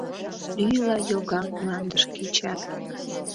Ӱйла йога мландыш кечат.